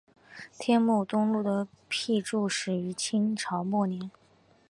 天目东路的辟筑始于清朝末年。